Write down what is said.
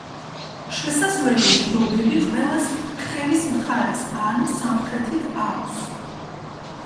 შესასვლელი ღიობები ყველას ხევის მხარეს, ანუ სამხრეთით აქვს.